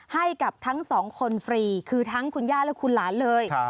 ให้กับทั้งสองคนฟรีคือทั้งคุณย่าและคุณหลานเลย